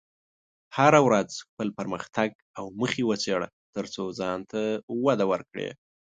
هره ورځ خپل پرمختګ او موخې وڅېړه، ترڅو ځان ته وده ورکړې.